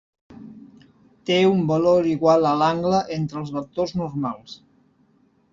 Té un valor igual a l'angle entre els vectors normals.